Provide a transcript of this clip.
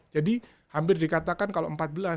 jadi hampir dikatakan kalau empat belas